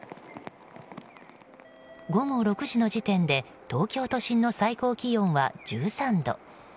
午後６時の時点で東京都心の最高気温は１３度。